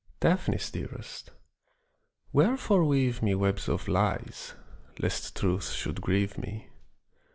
Daphnis dearest, wherefore weave me Webs of lies lest truth should grieve me?